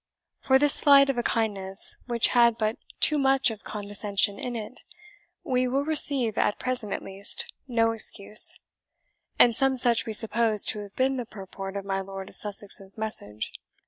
For this slight of a kindness, which had but too much of condescension in it, we will receive, at present at least, no excuse; and some such we suppose to have been the purport of my Lord of Sussex's message."